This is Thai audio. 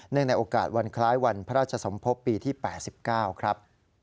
ในโอกาสวันคล้ายวันพระราชสมภพปีที่๘๙ครับ